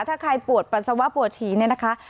ถ้าใครปวดปัสสาวะปวดฉีเนี่ยนะคะ